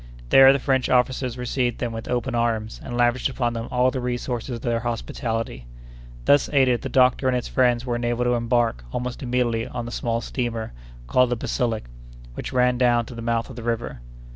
There the French officers received them with open arms, and lavished upon them all the resources of their hospitality. Thus aided, the doctor and his friends were enabled to embark almost immediately on the small steamer called the Basilic, which ran down to the mouth of the river.